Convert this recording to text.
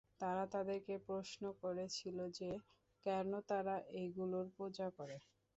তারা তাদেরকে প্রশ্ন করেছিল যে, কেন তারা এগুলোর পূজা করে?